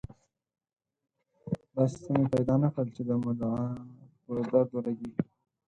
داسې څه مې پیدا نه کړل چې د مدعا په درد ولګېږي.